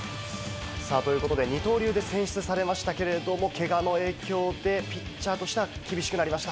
ということで二刀流で選出されましたけれど、けがの影響でピッチャーとしては厳しくなりました。